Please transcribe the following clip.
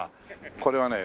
これはね